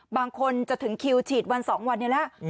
บางคนจะถึงคิวฉีดวัน๒วันนี้แล้ว